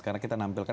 karena kita nampilkan